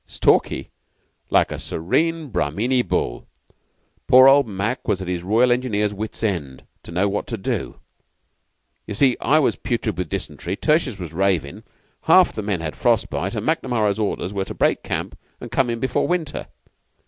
"Stalky? Like a serene Brahmini bull. Poor old Mac was at his Royal Engineers' wits' end to know what to do. You see I was putrid with dysentery, Tertius was ravin', half the men had frost bite, and Macnamara's orders were to break camp and come in before winter.